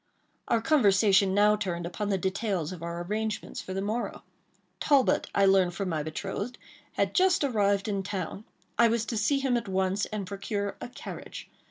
Our conversation now turned upon the details of our arrangements for the morrow. Talbot, I learned from my betrothed, had just arrived in town. I was to see him at once, and procure a carriage.